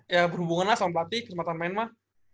ya berhubungan lah sama pelatih kesempatan main mah